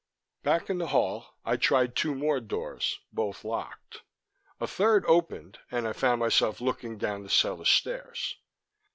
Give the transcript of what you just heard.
Back in the hall, I tried two more doors, both locked. A third opened, and I found myself looking down the cellar stairs.